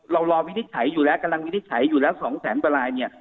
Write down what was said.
เรารอวินิจฉัยอยู่แล้วกำลังวินิจฉัยอยู่แล้ว๒แสนบรรลาย